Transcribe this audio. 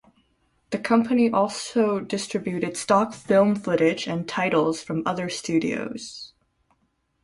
The company also distributed stock film footage and titles from other studios.